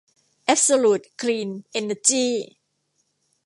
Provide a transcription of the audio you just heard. แอ๊บโซลูท คลีน เอ็นเนอร์จี้